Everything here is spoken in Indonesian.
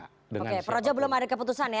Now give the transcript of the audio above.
oke projo belum ada keputusan ya